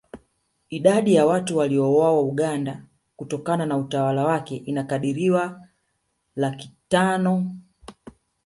Idadi ya watu waliouawa Uganda kutokana na utawala wake imekadiriwa kati ya laki tano